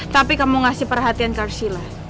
tapi kamu ngasih perhatian ke arshila